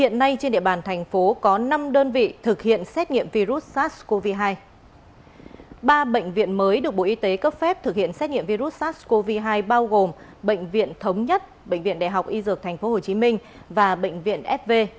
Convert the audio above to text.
bệnh viện đại học y dược tp hcm và bệnh viện fv